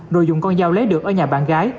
rồi dùng con dao lấy được ở nhà bạn gái